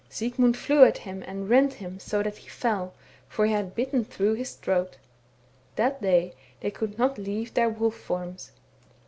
" Sigmund flew at him and rent him so that he fell, for he had bitten through his throat. That day they could not leave their wolf forms.